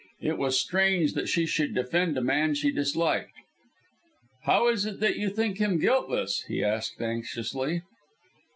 It was strange that she should defend a man she disliked. "How is it that you think him guiltless?" he asked anxiously.